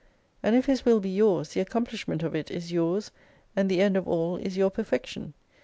And if His will be yours, the accomplishment of it is yours, and the end of all is your perfection.